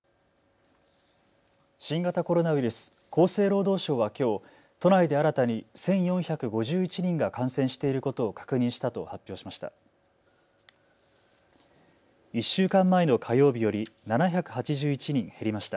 新型コロナウイルス、厚生労働省はきょう都内で新たに１４５１人が感染していることを確認したと発表しました。